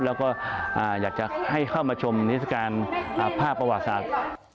แล้วก็อยากจะให้เข้ามาชมนิทรการภาพประวัติศาสตร์